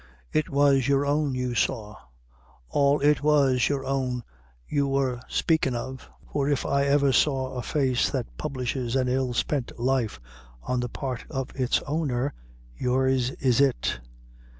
It was your own you saw, all it was your own you wor spaking of for if ever I saw a face that publishes an ill spent life on the part of its owner, yours is it."